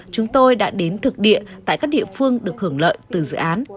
chúng tôi đã đến thực địa tại các địa phương được hưởng lợi từ dự án